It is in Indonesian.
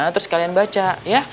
terus kalian baca ya